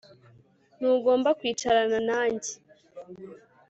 Ntugomba kwicarana nanjye